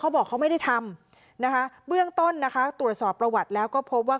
บอกเขาไม่ได้ทำนะคะเบื้องต้นนะคะตรวจสอบประวัติแล้วก็พบว่า